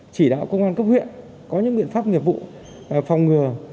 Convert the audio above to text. chỉ đạo cơ quan cấp huyện có những biện pháp nghiệp vụ phòng ngừa